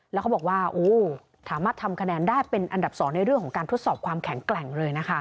แล้วเขาบอกว่าสามารถทำคะแนนได้เป็นอันดับ๒ในเรื่องของการทดสอบความแข็งแกร่งเลยนะคะ